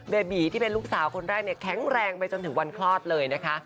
เบบีที่เป็นลูกสาวคนแรกเนี่ยแข็งแรงไปจนถึงวันคลอดเลยนะคะ